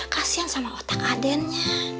kasian sama otak adennya